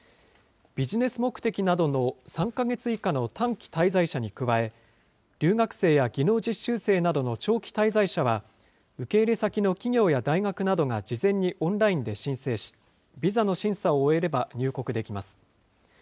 ビジネス目的などの３か月以下の短期滞在者に加え、留学生や技能実習生などの長期滞在者は、受け入れ先の企業や大学などが事前にオンラインで申請し、ビザの審査を終えれば入国できます。